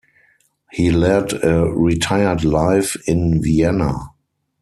He led a retired life in Vienna.